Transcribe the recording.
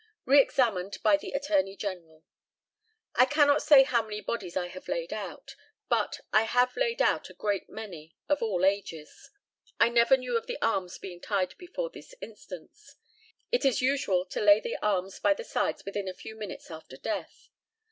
Re examined by the ATTORNEY GENERAL: I cannot say how many bodies I have laid out, but I have laid out a great many, of all ages. I never knew of the arms being tied before this instance. It is usual to lay the arms by the sides within a few minutes after death.